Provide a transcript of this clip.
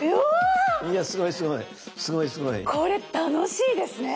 これ楽しいですね！